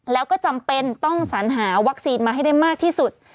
แล้วก็จำเป็นต้องสัญหาวัคซีนมาให้ได้มากที่สุด